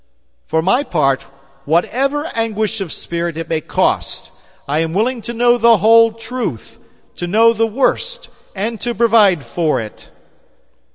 For my part, whatever anguish of spirit it may cost, I am willing to know the whole truth; to know the worst, and to provide for it.